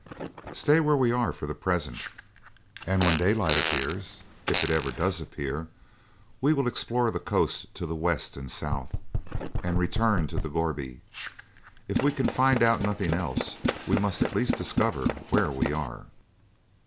"Stay where we are for the present; and when daylight appears if it ever does appear we will explore the coast to the west and south, and return to the gourbi. If we can find out nothing else, we must at least discover where we are."